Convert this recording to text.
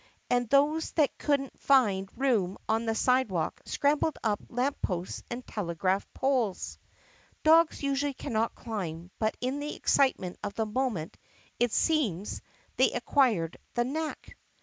And those that could n't find room on the sidewalk scrambled up lamp posts and telegraph poles. Dogs usually cannot climb but in the excitement of the moment, it seems, they acquired the knack.